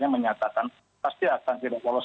menyatakan pasti akan tidak lolos